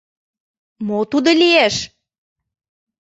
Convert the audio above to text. Мо тудо лиеш?